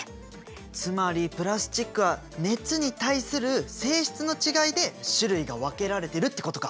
つまりプラスチックは熱に対する性質の違いで種類が分けられてるってことか。